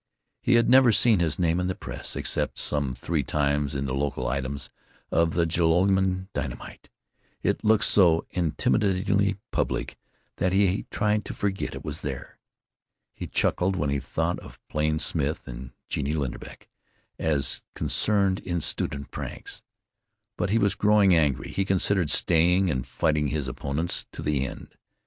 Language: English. He had never seen his name in the press, except some three times in the local items of the Joralemon Dynamite. It looked so intimidatingly public that he tried to forget it was there. He chuckled when he thought of Plain Smith and Genie Linderbeck as "concerned in student pranks." But he was growing angry. He considered staying and fighting his opponents to the end.